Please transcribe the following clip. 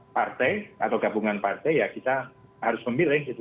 partai atau gabungan partai ya kita harus memilih gitu